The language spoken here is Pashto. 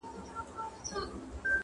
چي رنگ دې په کيسه ژړ سي، تورو تې مه ځه!